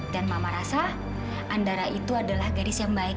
dan mama rasa andara itu adalah gadis yang baik